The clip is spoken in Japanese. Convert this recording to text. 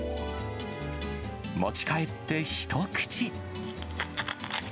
持ち帰って一口。